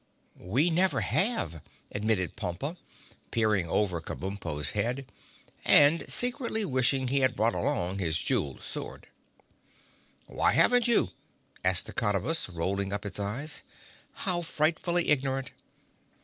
"We never have," admitted Pompa, peering over Kabumpo's head and secretly wishing he had brought along his jeweled sword. "Why haven't you?" asked the Cottabus, rolling up its eyes. "How frightfully ignorant!"